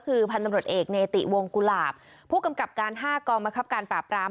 คือพันธุ์ตำรวจเอกเนติวงกุหลาบผู้กำกับการ๕กองบังคับการปราบราม